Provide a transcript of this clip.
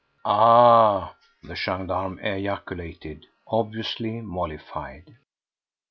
"Ah!" the gendarme ejaculated, obviously mollified.